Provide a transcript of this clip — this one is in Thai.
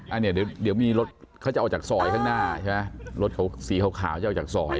อันนี้เดี๋ยวมีรถเขาจะเอาจากซอยข้างหน้ารถสีเขาขาวจะเอาจากซอย